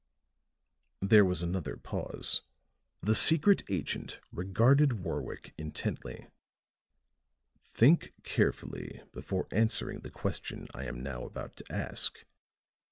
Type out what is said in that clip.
There was another pause. The secret agent regarded Warwick intently. "Think carefully before answering the question I am now about to ask.